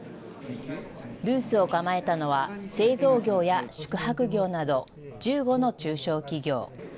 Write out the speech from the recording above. ブースを構えたのは、製造業や宿泊業など１５の中小企業。